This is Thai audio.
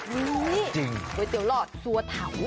ก๋วยเตี๋ยวหลอดสัวเทา